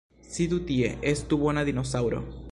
Sidu tie! Estu bona dinosaŭro!